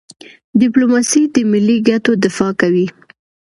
ډيپلوماسي د ملي ګټو دفاع کوي.